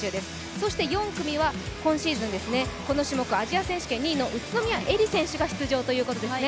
そして４組は今シーズンこの種目アジア選手権２位の宇都宮絵莉選手が出場ということですね。